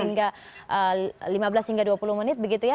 hingga lima belas hingga dua puluh menit begitu ya